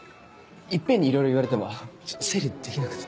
一遍にいろいろ言われても整理できなくて。